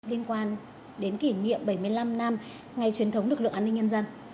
liên quan đến kỷ niệm bảy mươi năm năm ngày truyền thống lực lượng an ninh nhân dân